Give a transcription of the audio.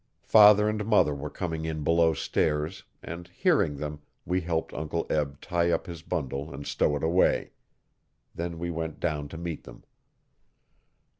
Father and mother were coming in below stairs and, hearing them, we helped Uncle Eb tie up his bundle and stow it away. Then we went down to meet them.